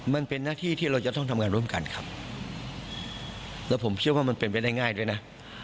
มันเป็นหน้าที่ที่เราจะต้องทำงานร่วมกันครับแล้วผมเชื่อว่ามันเป็นไปได้ง่ายด้วยนะ